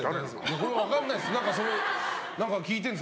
これは分からないです。